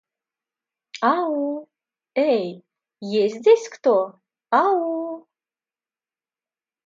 Ау? Эй, есть здесь кто? Ау-у?